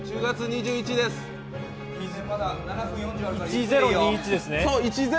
１０２１ですね。